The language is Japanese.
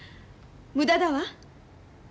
無駄だわ。